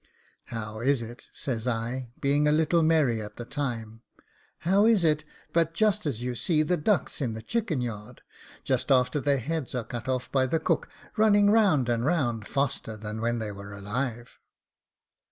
'How is it,' says I, being a little merry at the time 'how is it but just as you see the ducks in the chicken yard, just after their heads are cut off by the cook, running round and round faster than when alive?